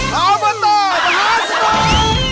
ขอบคุณครับ